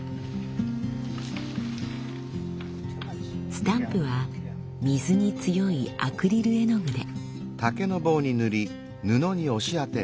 スタンプは水に強いアクリル絵の具で。